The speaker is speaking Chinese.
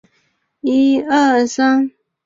朱德故居位于马鞍镇。